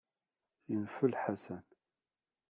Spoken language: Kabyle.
Yenfel Ḥasan.